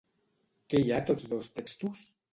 Què hi ha a tots dos textos?